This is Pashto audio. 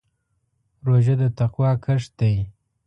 روژه د تقوا کښت دی.